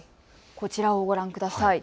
こちらをご覧ください。